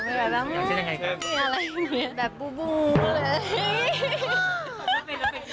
ไม่แบบไม่ไม่ไม่ไม่ไม่ไม่แบบบูบูอะไรแบบนี้